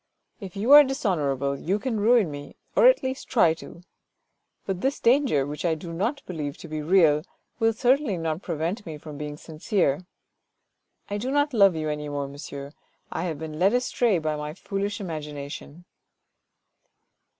If you are dishonour able, you can ruin me, or at least try to. But this danger, which I do not believe to be real, will certainly not prevent me from being sincere. I do not love you any more, monsieur, I have been led astray by my foolish imagination."